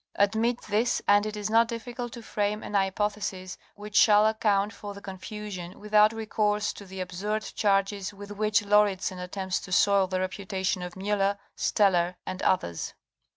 Admit this and it is not difficult to frame an hypothesis which shall account for the confusion, without recourse to the absurd charges with which Laurid sen attempts to soil the reputation of Muller, Steller and others.